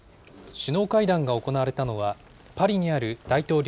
首脳会談が行われたのは、パリにある大統領